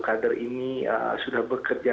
kader ini sudah bekerja